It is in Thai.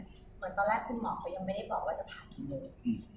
เหมือนตอนแรกคุณหมอเขายังไม่ได้บอกว่าจะพากินเลย